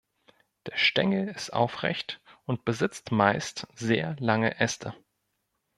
Der Stängel ist aufrecht und besitzt meist sehr lange Äste.